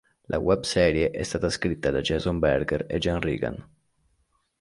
La webserie è stata scritta da Jason Berger e Jen Regan.